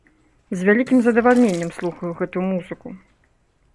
З вялікім задавальненнем слухаю гэтую музыку.